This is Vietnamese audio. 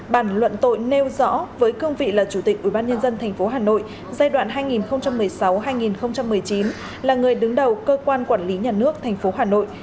bản luận tội nêu rõ với cương vị là chủ tịch ubnd tp hà nội giai đoạn hai nghìn một mươi sáu hai nghìn một mươi chín là người đứng đầu cơ quan quản lý nhà nước tp hà nội